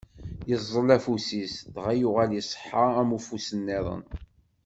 Iẓẓel afus-is, dɣa yuɣal iṣeḥḥa am ufus-nniḍen.